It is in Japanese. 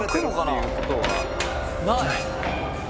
ない。